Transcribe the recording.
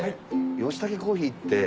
ヨシタケコーヒーって。